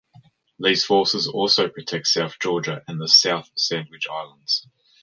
These forces also protect South Georgia and the South Sandwich Islands.